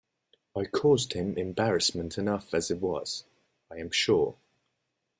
I caused him embarrassment enough as it was, I am sure.